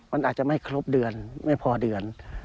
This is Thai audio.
มันอาจจะไม่ครบเดือนไม่พอเดือน